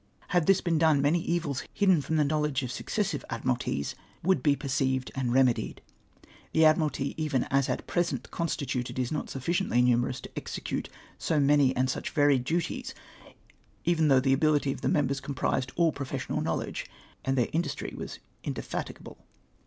Had this been done, many evils, hidden from the knowledge of suc cessive Admiralties, would be perceived and remedied. The Admiralty, even as at present constituted, is not sufficiently numerous to execute so many and such varied duties, even though the ability of the members comprised all professional knowledge, and that their industry was indefatigable.